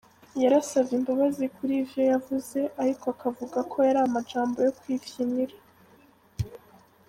Yarasavye imbabazi kuri ivyo yavuze, ariko akavuga ko yari amajambo yo kwifyinira.